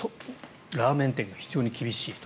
ラーメン店が非常に厳しいと。